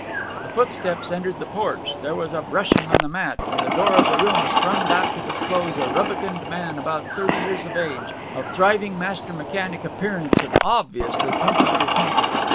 The footsteps entered the porch; there was a brushing on the mat, and the door of the room sprung back to disclose a rubicund man about thirty years of age, of thriving master mechanic appearance and obviously comfortable temper.